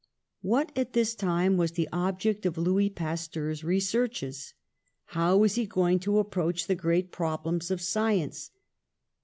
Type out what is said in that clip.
What at this time was the object of Louis Pasteur's researches? How was he going to approach the great problems of science?